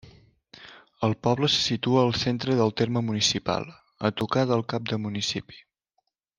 El poble se situa al centre del terme municipal, a tocar del cap de municipi.